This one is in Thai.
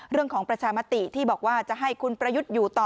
เรื่องของประชามติที่บอกว่าจะให้คุณประยุทธ์อยู่ต่อ